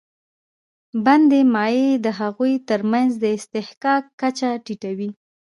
بندي مایع د هغوی تر منځ د اصطحکاک کچه ټیټوي.